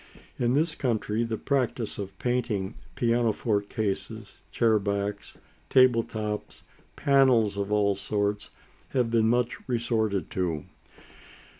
In this country the practice of painting pianoforte cases, chair backs, table tops, panels of all sorts, has been much resorted to.